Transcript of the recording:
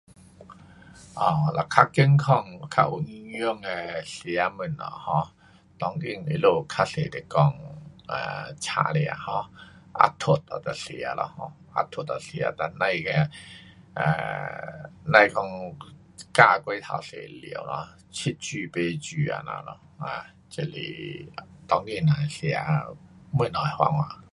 um 较健康较有营养的吃的东西 um 当今他们较多是讲 um 生吃 um 啊烫了就吃咯。um 啊烫了吃，哒甭，甭讲加过头多料。七煮八煮这样咯。um 这是当今人吃东西的方法。